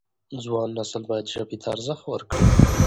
ځوان نسل باید ژبې ته ارزښت ورکړي.